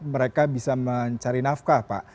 mereka bisa mencari nafkah pak